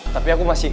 tapi aku masih